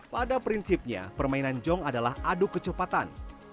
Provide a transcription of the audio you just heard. pada prinsipnya permainan jong adalah adu kecepatan